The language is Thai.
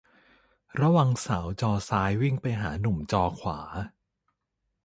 ระวังสาวจอซ้ายวิ่งไปหาหนุ่มจอขวา